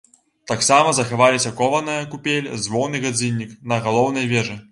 Таксама захаваліся кованая купель, звон і гадзіннік на галоўнай вежы.